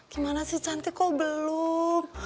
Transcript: gimana sih cantik kok belum